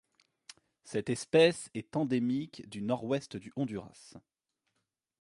Cette espèce est endémique du nord-ouest du Honduras.